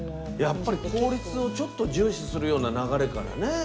やっぱり効率をちょっと重視するような流れからね。